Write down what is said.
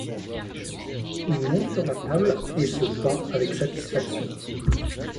Il monte sur la table et se pend avec satisfaction.